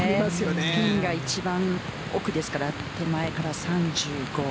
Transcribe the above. ピンが一番奥ですから手前から３５。